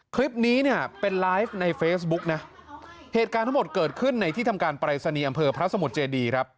คลิปนี้เนี่ยเป็นไลฟ์ในเฟซบุ๊กนะเหตุการณ์ทั้งหมดเกิดขึ้นในที่ทำการปรายศนีย์อำเภอพระสมุทรเจดีครับ